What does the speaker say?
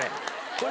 これ。